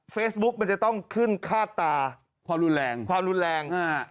เฟซบุ๊กมันจะต้องขึ้นคาดตาความรุนแรง